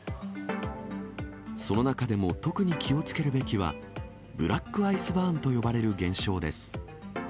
その中でも特に気をつけるべきは、ブラックアイスバーンと呼ばれる現象です。